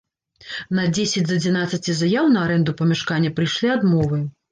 На дзесяць з адзінаццаці заяў на арэнду памяшкання прыйшлі адмовы.